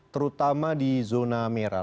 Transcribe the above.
terutama di zona merah